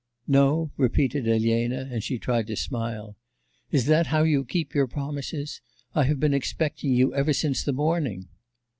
'No?' repeated Elena, and she tried to smile. 'Is that how you keep your promises? I have been expecting you ever since the morning.